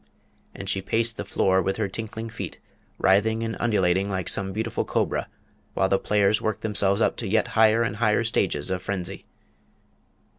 And she paced the floor with her tinkling feet, writhing and undulating like some beautiful cobra, while the players worked themselves up to yet higher and higher stages of frenzy.